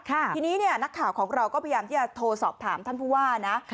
ทีนี้เนี่ยนักข่าวของเราก็พยายามที่จะโทรสอบถามท่านผู้ว่านะ